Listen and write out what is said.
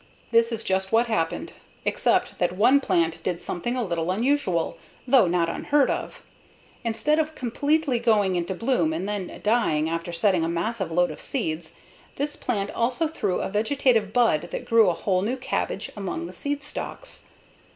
That is just what happened. Except that one plant did something a little unusual, though not unheard of. Instead of completely going into bloom and then dying after setting a massive load of seed, this plant also threw a vegetative bud that grew a whole new cabbage among the seed stalks.